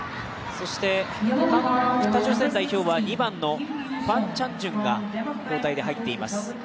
北朝鮮は２番のファン・チャンジュンが交代で入っています。